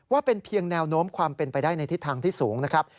ว่าเป็นเพียงแนวโน้มความเป็นไปได้ในทิศทางที่สูงนะครับ